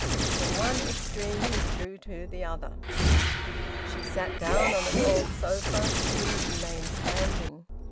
From one extreme he flew to the other. She sat down on an old sofa; he remained standing.